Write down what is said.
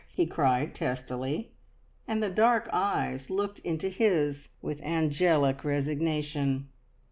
he cried testily, and the dark eyes looked into his with angelic resignation.